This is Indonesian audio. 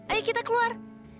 ayo kita keluar